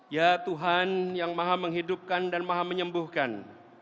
ya tuhan yang maha menghidupkan dan maha menyembuhkan